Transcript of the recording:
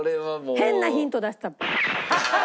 変なヒント出したら。